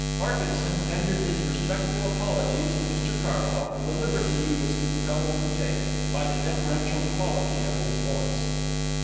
Parkinson tendered his respectful apologies to Mr Carlyle for the liberty he was compelled to take, by the deferential quality of his voice.